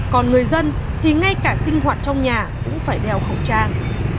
còn người dân thì ngay cả sinh hoạt trong nhà cũng phải đeo khẩu trang